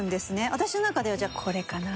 私の中ではじゃあこれかな。